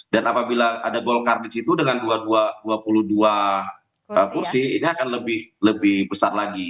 dan apabila ada golkar di situ dengan dua ratus dua puluh dua kursi ini akan lebih besar lagi